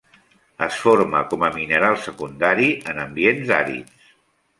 Es forma com a mineral secundari en ambients àrids.